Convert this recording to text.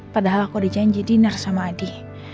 padahal aku udah janji dinner sama adi